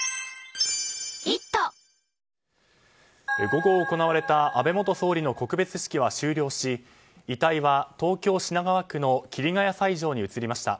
午後行われた安倍元総理の告別式は終了し遺体は東京・品川区の桐ヶ谷斎場に移りました。